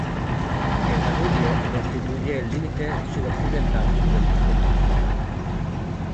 El Danubio constituye el límite sudoccidental del distrito.